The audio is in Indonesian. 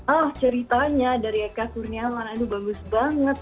ah ceritanya dari eka kurniawan aduh bagus banget